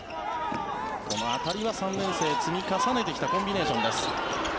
この辺りは３年生積み重ねてきたコンビネーションです。